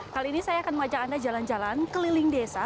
kali ini saya akan mengajak anda jalan jalan keliling desa